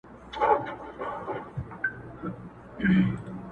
کلونه کېږي له زندانه اواز نه راوزي!.